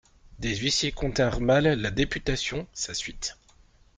Des huissiers continrent mal la députation, sa suite.